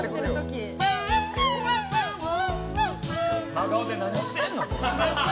真顔で何してるの！